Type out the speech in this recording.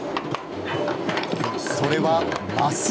それは、升！